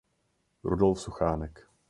Rudolf Suchánek.